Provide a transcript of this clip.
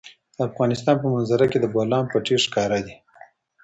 د افغانستان په منظره کې د بولان پټي ښکاره ده.